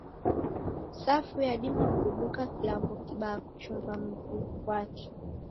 Safu yadima kuduka kilambo kibaa kuchumba muw'i gwape.